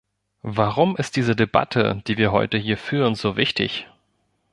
Warum ist diese Debatte, die wir heute hier führen, so wichtig?